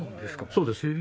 そうですよ。